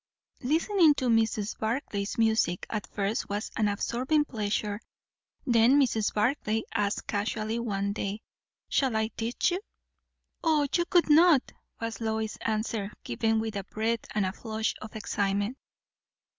Listening to Mrs. Barclay's music at first was an absorbing pleasure; then Mrs. Barclay asked casually one day "Shall I teach you?" "O, you could not!" was Lois's answer, given with a breath and a flush of excitement.